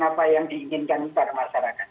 apa yang diinginkan kepada masyarakat